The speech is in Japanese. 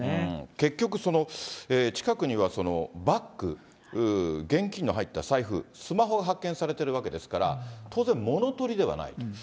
結局、近くにはバッグ、現金の入った財布、スマホが発見されてるわけですから、当然物取りではないと。